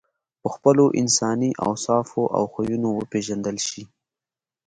په خپلو انساني اوصافو او خویونو وپېژندل شې.